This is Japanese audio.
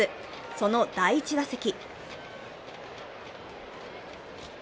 その第１打席。